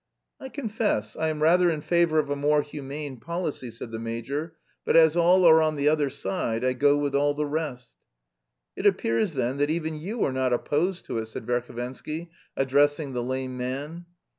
"I confess I am rather in favour of a more humane policy," said the major, "but as all are on the other side, I go with all the rest." "It appears, then, that even you are not opposed to it," said Verhovensky, addressing the lame man.